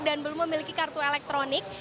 dan belum memiliki kartu elektronik